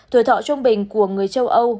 thủy thọ trung bình của người châu âu